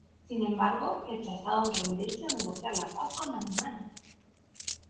Sin embargo, rechazaron rendirse o negociar la paz con Alemania.